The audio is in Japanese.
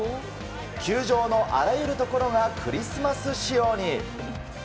球場のあらゆるところがクリスマス仕様に。